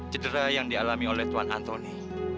cedera yang dialami oleh tuan antoni